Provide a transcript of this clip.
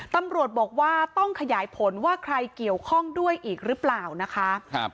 ตำรวจบอกว่าต้องขยายผลว่าใครเกี่ยวข้องด้วยอีกหรือเปล่านะคะ